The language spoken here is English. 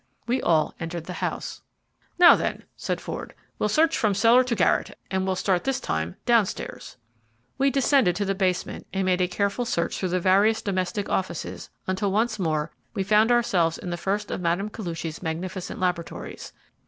We all entered the house. "Now, then," said Ford, "we'll search from cellar to garret, and we'll start this time downstairs." We descended to the basement, and made a careful search through the various domestic offices, until once more we found ourselves in the first of Mme. Koluchy's magnificent laboratories.